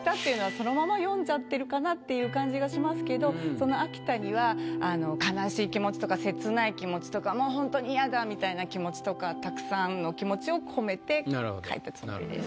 そのまま詠んじゃってるかなっていう感じがしますけどその「飽きた」には悲しい気持ちとか切ない気持ちとかもうほんとに嫌だみたいな気持ちとかたくさんの気持ちを込めて書いたつもりです。